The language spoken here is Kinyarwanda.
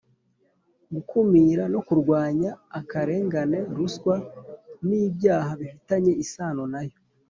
gukumira no kurwanya akarengane, ruswa n’ibyaha bifitanye isano na yo